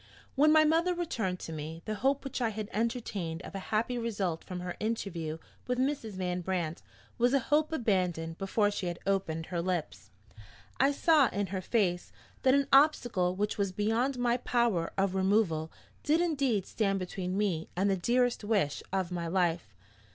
When my mother returned to me, the hope which I had entertained of a happy result from her interview with Mrs. Van Brandt was a hope abandoned before she had opened her lips. I saw, in her face, that an obstacle which was beyond my power of removal did indeed stand between me and the dearest wish of my life.